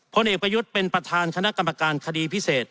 เอกประยุทธ์เป็นประธานคณะกรรมการคดีพิเศษ